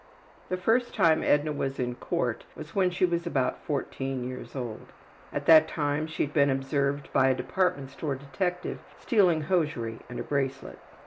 The first time Edna was in court was when she was about 14 years old. At that time she had been observed by a department store detective stealing hosiery and a bracelet.